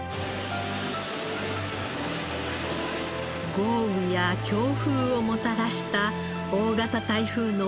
豪雨や強風をもたらした大型台風の猛威で。